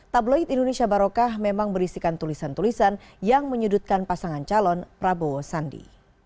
tabloid indonesia barokah memang berisikan tulisan tulisan yang menyudutkan pasangan calon prabowo sandi